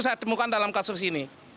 saya temukan dalam kasus ini